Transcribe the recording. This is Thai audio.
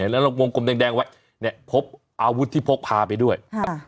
เห็นแล้ววงกลมแดงแดงไว้เนี่ยพบอาวุธที่พกพาไปด้วยอ่า